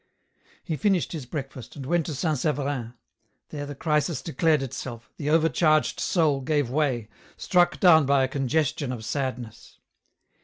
He finished his breakfast, and went to St. Severin ; there the crisis declared itself, the overcharged soul gave way, struck down by a congestion of sadness.